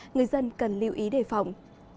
người dân cần lưu ý đề phòng